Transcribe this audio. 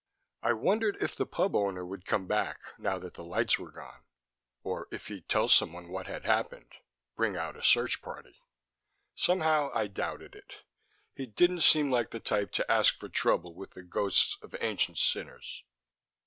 I wondered if the pub owner would come back, now that the lights were gone or if he'd tell someone what had happened, bring out a search party. Somehow, I doubted it. He didn't seem like the type to ask for trouble with the ghosts of ancient sinners.